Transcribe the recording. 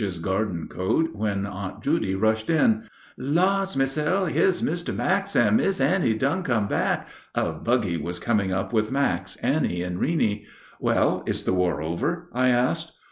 's garden coat, when Aunt Judy rushed in. "Laws! Mis' L., here's Mr. Max and Mis' Annie done come back!" A buggy was coming up with Max, Annie, and Reeney. "Well, is the war over?" I asked.